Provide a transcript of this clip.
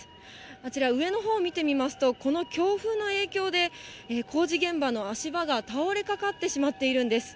あちら、上のほうを見てみますと、この強風の影響で、工事現場の足場が倒れかかってしまっているんです。